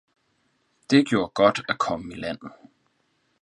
Det gjorde godt at komme i land.